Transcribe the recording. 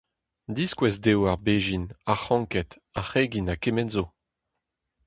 Diskouez dezho ar bezhin, ar c'hranked, ar c'hregin ha kement zo.